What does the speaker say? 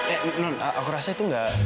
eh non aku rasa itu gak